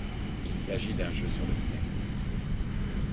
Il s’agit d’un jeu sur le sexe.